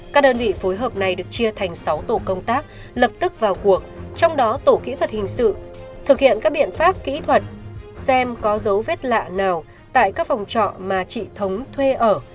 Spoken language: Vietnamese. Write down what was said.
các đơn vị phối hợp này được chia thành sáu tổ công tác lập tức vào cuộc trong đó tổ kỹ thuật hình sự thực hiện các biện pháp kỹ thuật xem có dấu vết lạ nào tại các phòng trọ mà chị thống thuê ở